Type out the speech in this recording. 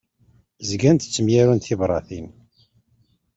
Zgant ttemyarunt tibratin.